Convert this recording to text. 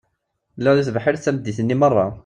Lliɣ deg tebḥirt tameddit-nni meṛṛa.